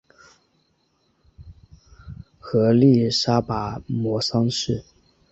曷利沙跋摩三世。